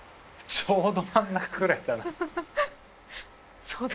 ちょうど真ん中ぐらいだな。